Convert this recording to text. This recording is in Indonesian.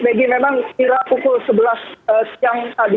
maggie memang kira pukul sebelas siang tadi